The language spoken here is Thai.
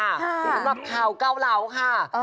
สำหรับข่าวเกาเหลาค่ะ